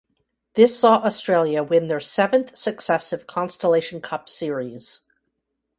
This saw saw Australia win their seventh successive Constellation Cup series.